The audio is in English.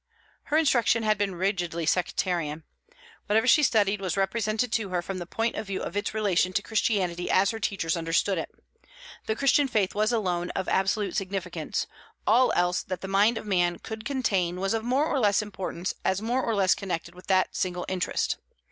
Her instruction had been rigidly sectarian. Whatever she studied was represented to her from the point of view of its relation to Christianity as her teachers understood it. The Christian faith was alone of absolute significance; all else that the mind of man could contain was of more or less importance as more or less connected with that single interest.